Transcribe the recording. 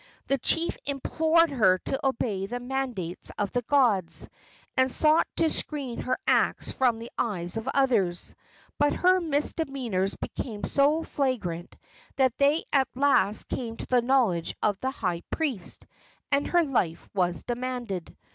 The chief implored her to obey the mandates of the gods, and sought to screen her acts from the eyes of others; but her misdemeanors became so flagrant that they at last came to the knowledge of the high priest, and her life was demanded.